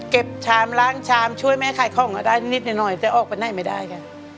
ชามล้างชามช่วยแม่ขายของก็ได้นิดหน่อยแต่ออกไปไหนไม่ได้ค่ะ